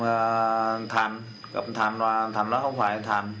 anh thành gặp anh thành anh thành nói không phải anh thành